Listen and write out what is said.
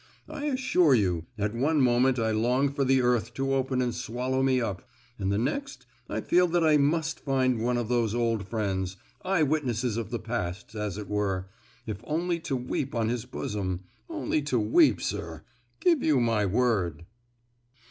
I assure you, at one moment I long for the earth to open and swallow me up, and the next I feel that I must find one of those old friends, eyewitnesses of the past, as it were, if only to weep on his bosom, only to weep, sir—give you my word."